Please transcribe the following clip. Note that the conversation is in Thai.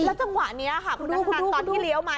และจังหวะนี้คุณนักทางตอนที่เลี้ยวมา